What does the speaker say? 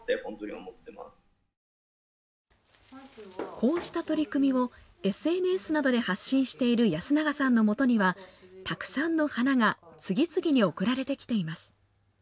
こうした取り組みをＳＮＳなどで発信している安永さんのもとにはたくさんの花が次々に送られてきています。